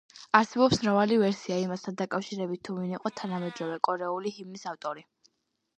არსებობს მრავალი ვერსია იმასთან დაკავშირებით თუ ვინ იყო თანამედროვე კორეული ჰიმნის ავტორი.